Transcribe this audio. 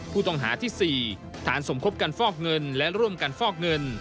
ผู้ต้องหาที่๔ฐานสมคบกันฟอกเงินและร่วมกันฟอกเงิน